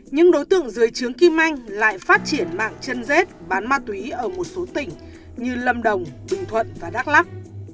nhưng đối tượng dưới chướng kim anh lại phát triển mạng chân dết bán ma túy ở một số tỉnh như lâm đồng bình thuận và đắk lắk